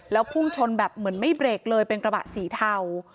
แล้วพุ่งชนแบบเหมือนไม่เบรกเลยเป็นกระบะสีเทา